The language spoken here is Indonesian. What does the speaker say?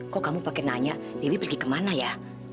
kok kamu pakai nanya dewi pergi kemana ya